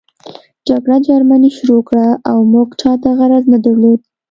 جګړه جرمني شروع کړه او موږ چاته غرض نه درلود